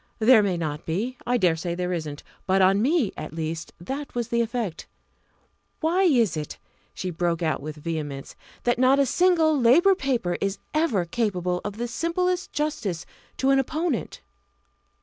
There may not be. I dare say there isn't; but on me at least that was the effect. Why is it" she broke out with vehemence "that not a single Labour paper is ever capable of the simplest justice to an opponent?"